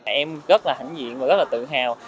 em rất là hãnh diện và rất là tự hào